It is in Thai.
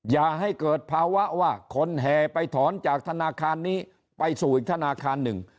อย่าให้เกิดภาวะว่าคนแห่ไปถอนจากธนาคารนี้ไปสู่อีกธนาคารหนึ่ง